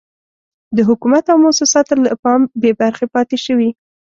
د حکومت او موسساتو له پام بې برخې پاتې شوي.